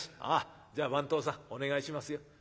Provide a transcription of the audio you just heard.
「ああじゃあ番頭さんお願いしますよ。